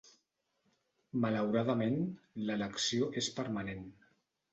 Malauradament, l'elecció és permanent.